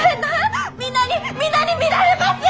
皆に皆に見られます！